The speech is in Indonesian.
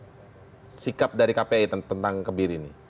jadi belum ada pandangan sikap dari kpi tentang kebiri ini